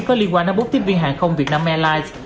có liên quan đến bốn tiếp viên hàng không việt nam airlines